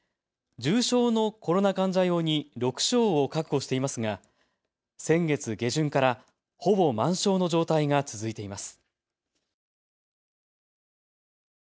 重症のコロナ患者用に６床を確保していますが先月下旬からほぼ満床の状態が続いています。